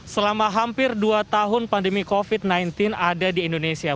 selama hampir dua tahun pandemi covid sembilan belas ada di indonesia